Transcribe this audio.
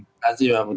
terima kasih mbak putri